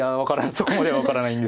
そこまでは分からないんですけど。